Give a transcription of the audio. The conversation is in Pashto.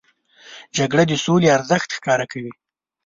جګړه د سولې ارزښت ښکاره کوي